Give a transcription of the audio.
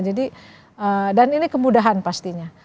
jadi dan ini kemudahan pastinya